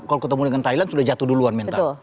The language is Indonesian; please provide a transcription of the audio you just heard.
kalau ketemu dengan thailand sudah jatuh duluan mental